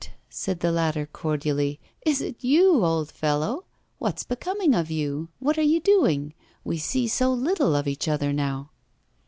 said the latter, cordially, 'is it you, old fellow? What's becoming of you? What are you doing? We see so little of each other now.